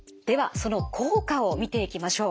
その効果を見ていきましょう。